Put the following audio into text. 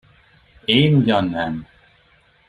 Én ugyan nem!